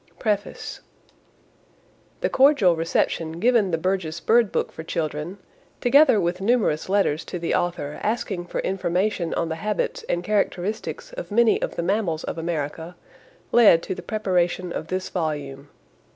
PREFACE The cordial reception given the Burgess Bird Book for Children, together with numerous letters to the author asking for information on the habits and characteristics of many of the mammals of America, led to the preparation of this volume.